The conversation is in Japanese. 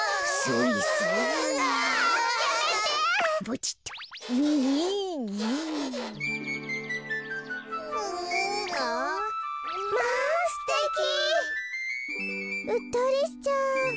うっとりしちゃう。